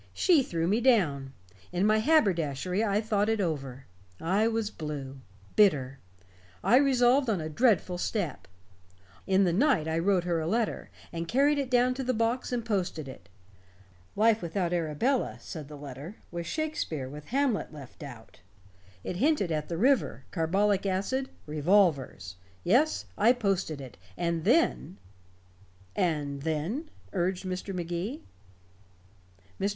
"She threw me down. In my haberdashery I thought it over. I was blue, bitter. I resolved on a dreadful step. In the night I wrote her a letter, and carried it down to the box and posted it. Life without Arabella, said the letter, was Shakespeare with Hamlet left out. It hinted at the river, carbolic acid, revolvers. Yes, I posted it. And then " "And then," urged Mr. Magee. Mr.